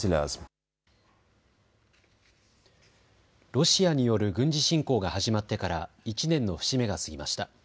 ロシアによる軍事侵攻が始まってから１年の節目が過ぎました。